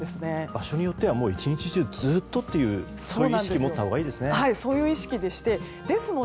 場所によっては１日中ずっとという意識を持ったほうがいいですね。